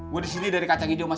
gue disini dari kacang hidup masih